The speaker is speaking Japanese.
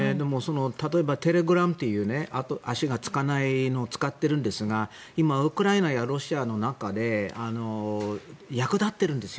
例えば、テレグラムという足がつかないのを使っているんですが今、ウクライナやロシアの中で役立っているんですよ。